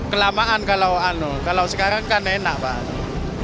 kelamaan kalau sekarang kan enak pak